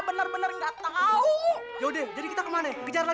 mbak mbak kok mulutnya ditutupin aja mbak